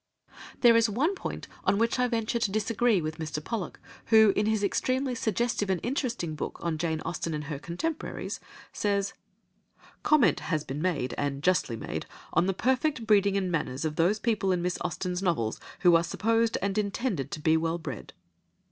There is one point on which I venture to disagree with Mr. Pollock, who, in his extremely suggestive and interesting book on Jane Austen and her Contemporaries, says— "Comment has been made, and justly made, on the perfect breeding and manners of those people in Miss Austen's novels who are supposed and intended to be well bred."